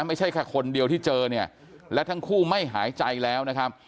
ไม่ใช่แค่คนเดียวที่เจอเนี่ยและทั้งคู่ไม่หายใจแล้วนะครับ